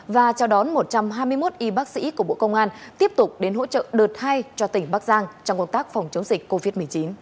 và trao đón một trăm hai mươi một y bác sĩ của bộ công an tiếp tục đến hỗ trợ đợt hai cho tỉnh bắc giang trong công tác phòng chống dịch covid một mươi chín